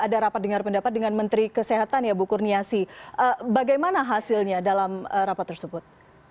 ada rapat dengar pendapat dengan menteri kesehatan ya bu kurniasi bagaimana hasilnya dalam rapat tersebut